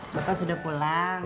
bapak sudah pulang